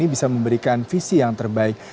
bisa memberikan visi yang terbaik